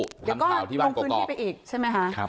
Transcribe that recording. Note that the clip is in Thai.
เดี๋ยวก็ลงพื้นที่ไปอีกใช่ไหมคะ